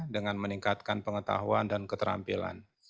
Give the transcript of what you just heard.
dengan meningkatkan pengetahuan dan keterampilan